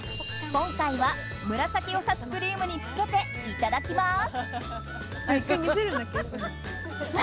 今回は紫おさつクリームにつけていただきます。